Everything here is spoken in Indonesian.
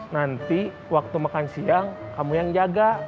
nanti waktu makan siang kamu yang jaga